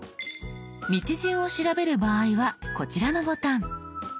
道順を調べる場合はこちらのボタン。